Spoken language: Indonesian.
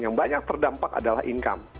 yang banyak terdampak adalah income